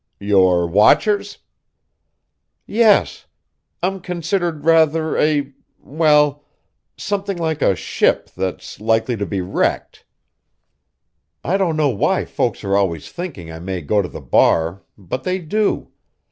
"Your watchers?" "Yes. I'm considered rather a well, something like a ship that's likely to be wrecked. I don't know why folks are always thinking I may go on the bar, but they do.